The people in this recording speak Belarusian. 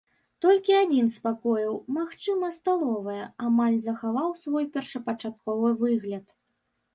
Толькі адзін з пакояў, магчыма сталовая, амаль захаваў свой першапачатковы выгляд.